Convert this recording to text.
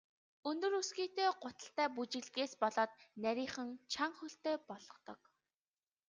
Өндөр өсгийтэй гуталтай бүжиглэдгээс болоод нарийхан, чанга хөлтэй болгодог.